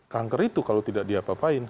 kanker itu kalau tidak diapa apain